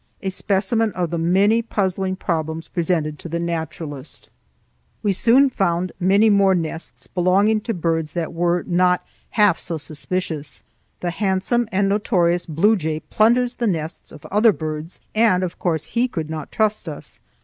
A specimen of the many puzzling problems presented to the naturalist. We soon found many more nests belonging to birds that were not half so suspicious. The handsome and notorious blue jay plunders the nests of other birds and of course he could not trust us.